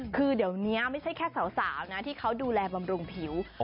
คือเดี๋ยวนี้ไม่ใช่แค่สาวนะที่เขาดูแลบำรุงผิว